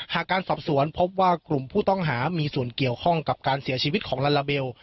การสอบสวนพบว่ากลุ่มผู้ต้องหามีส่วนเกี่ยวข้องกับการเสียชีวิตของลาลาเบล